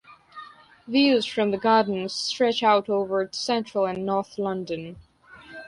Views from the gardens stretch out over central and north London.